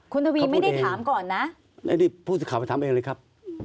คุณทวีไม่ได้ถามก่อนนะอันนี้ผู้สื่อข่าวไปถามเองเลยครับ